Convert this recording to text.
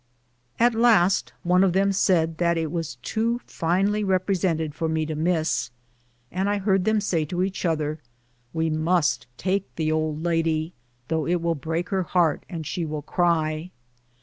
At last one of them said that it was too finely represented for me to miss, and I heard them say to each other, " We must take ' the old lady,' tliough it will break her heart and she will cry."